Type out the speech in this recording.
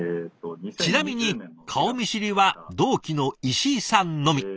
ちなみに顔見知りは同期の石井さんのみ。